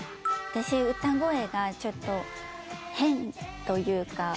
私歌声がちょっと変というか。